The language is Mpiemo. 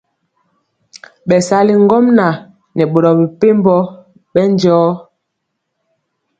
Bɛsali ŋgomnaŋ nɛ boro mepempɔ bɛndiɔ.